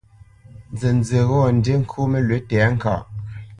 Nzənzí ghɔ́ ndí ŋkô nəlwʉ̌ tɛ̌ŋkaʼ.